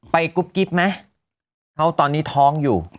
กุ๊บกิ๊บไหมเขาตอนนี้ท้องอยู่